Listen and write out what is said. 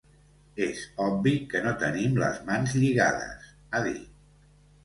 És obvi que no tenim les mans lligades, ha dit.